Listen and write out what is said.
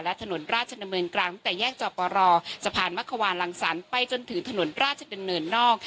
และถนนราชดำเนินกลางตั้งแต่แยกจอปรสะพานมะควานลังสรรค์ไปจนถึงถนนราชดำเนินนอก